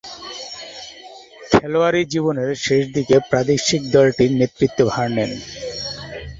খেলোয়াড়ী জীবনের শেষদিকে প্রাদেশিক দলটির নেতৃত্ব ভার নেন।